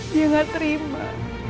dia gak terima